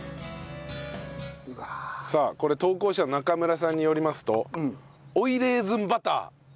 さあこれ投稿者の中村さんによりますと追いレーズンバター最後に。